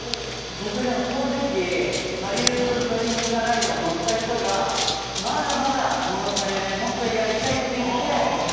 僕でも正直ハリウッド・ドリーム・ザ・ライド乗った人がまだまだ物足りないもっとやりたいって言って。